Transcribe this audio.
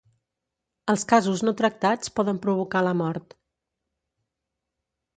Els casos no tractats poden provocar la mort.